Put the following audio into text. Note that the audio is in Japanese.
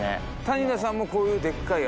谷田さんもこういうでっかい。